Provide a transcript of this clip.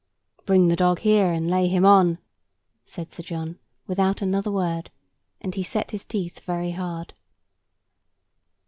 "Bring the dog here, and lay him on," said Sir John, without another word, and he set his teeth very hard.